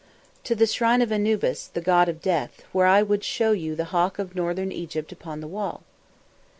"To the Shrine of Anubis the god of Death, where I would show you the Hawk of Northern Egypt upon the wall."